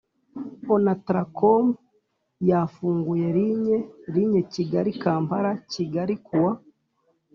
Onatracom yafunguye ligne line kigali kampala kigali ku wa